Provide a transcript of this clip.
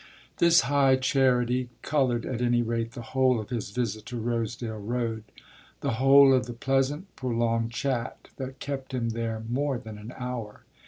This high charity coloured at any rate the whole of his visit to Rosedale Road, the whole of the pleasant, prolonged chat that kept him there more than an hour.